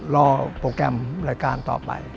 โปรแกรมรายการต่อไป